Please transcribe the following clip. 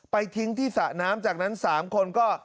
ทิ้งที่สระน้ำจากนั้น๓คนก็